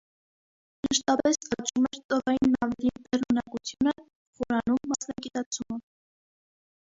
Մշտապես աճում էր ծովային նավերի բեռնունակությունը, խորանում մասնագիտացումը։